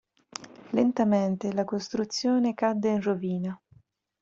Lentamente la costruzione cadde in rovina.